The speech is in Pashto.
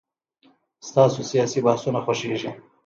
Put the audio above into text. ستاسو سياسي بحثونه خوښيږي.